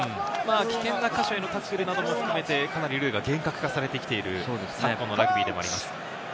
危険な箇所へのタックルなども含めて、かなりルールが厳格化されている最近のラグビーでもあります。